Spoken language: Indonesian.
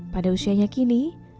pada usianya kini